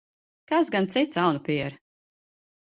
Kas gan cits, aunapiere?